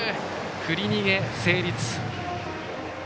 振り逃げ成立。